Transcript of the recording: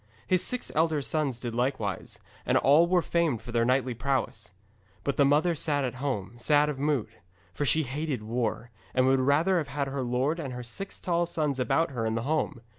His six elder sons did likewise, and all were famed for their knightly prowess. But the mother sat at home, sad of mood. For she hated war, and would rather have had her lord and her six tall sons about her in the home.